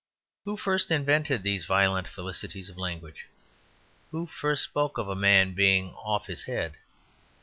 Who first invented these violent felicities of language? Who first spoke of a man "being off his head"?